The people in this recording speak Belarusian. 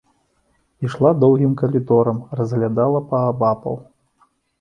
Ішла доўгім калідорам, разглядала паабапал.